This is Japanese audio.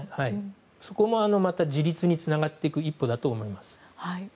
そこも自立につながっていく一歩だと思います。